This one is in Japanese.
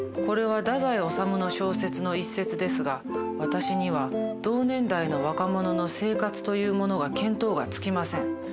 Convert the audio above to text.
これは太宰治の小説の一節ですが私には同年代の若者の生活というものが見当がつきません。